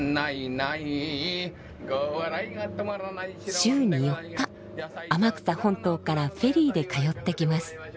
週に４日天草本島からフェリーで通ってきます。